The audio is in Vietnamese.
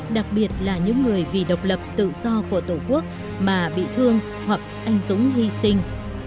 đặc biệt là những người vì độc lập tự do của tổ quốc mà bị thương hoặc anh dũng hy sinh